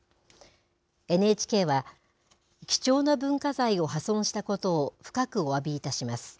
ＮＨＫは、貴重な文化財を破損したことを深くおわびいたします。